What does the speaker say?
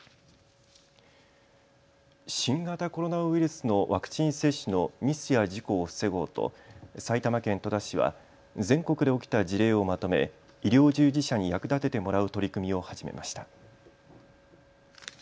新型コロナウイルスのワクチン接種のミスや事故を防ごうと埼玉県戸田市は全国で起きた事例をまとめ医療従事者に役立ててもらう取り組みを始めました。